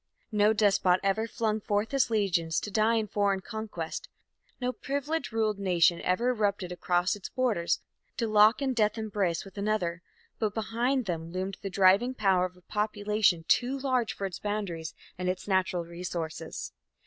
No despot ever flung forth his legions to die in foreign conquest, no privilege ruled nation ever erupted across its borders, to lock in death embrace with another, but behind them loomed the driving power of a population too large for its boundaries and its natural resources.